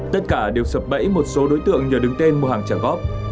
tất cả đều sập bẫy một số đối tượng nhờ đứng tên mua hàng trả góp